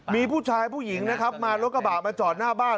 มีผู้ชายผู้หญิงนะครับมารถกระบะมาจอดหน้าบ้าน